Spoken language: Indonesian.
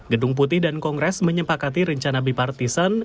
gedung putih dan kongres menyempakati rencana bipartisan